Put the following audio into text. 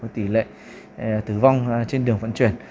tỷ lệ tử vong trên đường vận chuyển